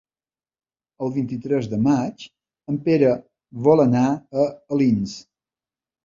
El vint-i-tres de maig en Pere vol anar a Alins.